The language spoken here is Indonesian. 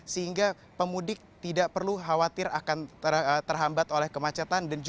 sehingga pemudik tidak perlu khawatir akan terhambat oleh kemacetan